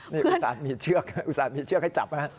นี่อุตสานมีเชือกอุตสานมีเชือกให้จับนะครับ